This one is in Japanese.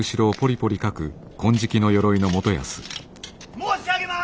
申し上げます！